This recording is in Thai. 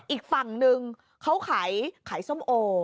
อีกฝั่งนึงเขาขายขายส้มโอ